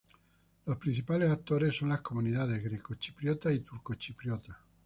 Los principales actores son las comunidades grecochipriota y turcochipriota.